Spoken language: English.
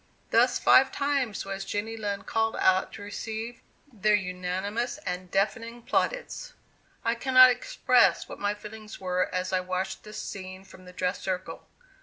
Thus five times was Jenny Lind called out to receive their unanimous and deafening plaudits." I cannot express what my feelings were as I watched this scene from the dress circle.